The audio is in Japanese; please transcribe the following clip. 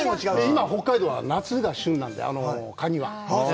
今は北海道は夏が旬なんで、カニは。